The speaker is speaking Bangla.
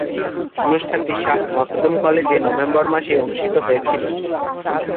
অনুষ্ঠানটি শাহ মখদুম কলেজে নভেম্বর মাসে অনুষ্ঠিত হয়েছিলো।